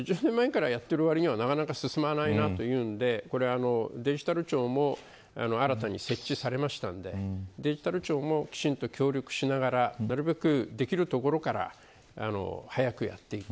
そのわりにはなかなか進まないというのでデジタル庁も新たに設置されましたのでデジタル庁もきちんと協力しながら、なるべくできるところから早くやっていく。